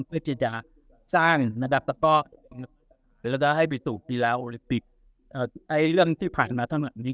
เพื่อจะจะสร้างระดับตะกอดให้ปริศุภีราโอลิปิกอ่าไอ้เรื่องที่ผ่านมาทั้งหมดนี้